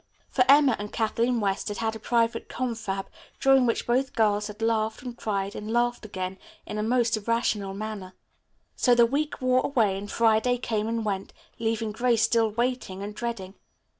For Emma and Kathleen West had had a private confab, during which both girls had laughed and cried and laughed again in a most irrational manner. So the week wore away, and Friday came and went, leaving Grace still waiting and dreading.